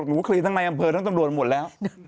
หนูเคลียร์ทั้งในอำเภอทั้งตำรวจหมดแล้ว